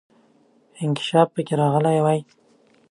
انکشاف پکې راغلی وای.